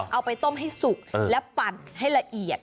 เอาไปต้มให้สุกและปั่นให้ละเอียด